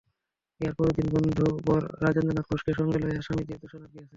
ইহার পরদিন বন্ধুবর রাজেন্দ্রনাথ ঘোষকে সঙ্গে লইয়া স্বামীজীর দর্শনার্থ গিয়াছি।